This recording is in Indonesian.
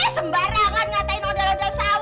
sembarangan ngatain ondel ondel sawah